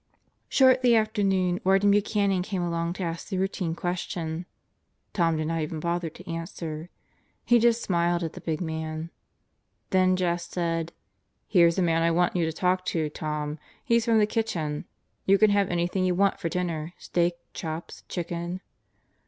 Shortly after noon Warden Buchanan came along to ask the routine question. Tom did not even bother to answer. He just smiled at the big man. Then Jess said: "Here's a man I want you to talk to, Tom. He's from the kitchen. You can have any thing you want for dinner: steak, chops, chicken.